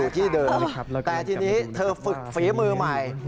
แต่ทีนี้เธอฝีมือใหม่